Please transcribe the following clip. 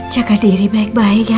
jaga diri baik baik ya